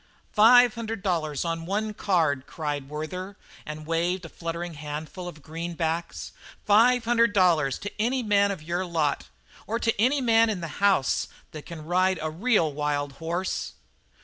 "Five hundred dollars on one card!" cried Werther, and he waved a fluttering handful of greenbacks. "Five hundred dollars to any man of your lot or to any man in this house that can ride a real wild horse."